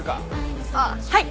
あっはい。